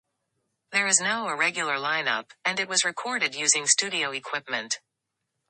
There is now a regular lineup, and it was recorded using studio equipment.